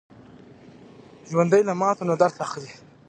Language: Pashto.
ژوندي له ماتو نه درس اخلي